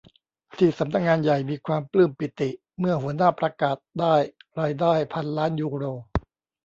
ที่สำนักงานใหญ่มีความปลื้มปีติเมื่อหัวหน้าประกาศได้รายได้พันล้านยูโร